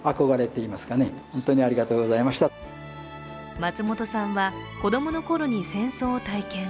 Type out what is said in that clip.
松本さんは、子どもの頃に戦争を体験。